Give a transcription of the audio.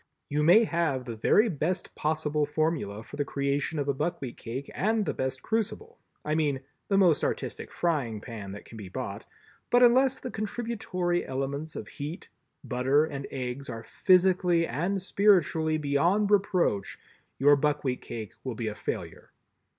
You may have the very best possible formula for the creation of a buckwheat cake and the best crucible—I mean the most artistic frying pan that can be bought; but unless the contributory elements of heat, butter and eggs are physically and spiritually beyond reproach, your buckwheat cake will be a failure.